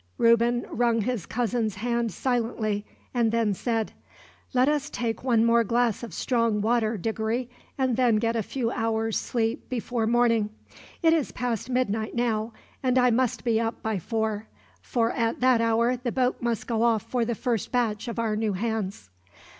Reuben wrung his cousin's hand silently, and then said: "Let us take one more glass of strong water, Diggory, and then get a few hours' sleep before morning. It is past midnight now, and I must be up by four; for at that hour the boat must go off for the first batch of our new hands."